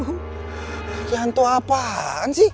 kaki hantu apaan sih